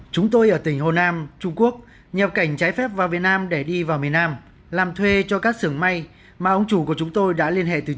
chúng tôi ở tỉnh hồ nam trung quốc nhập cảnh trái phép vào việt nam để đi vào miền nam làm thuê cho các xưởng may mà ông chủ của chúng tôi đã liên hệ từ trước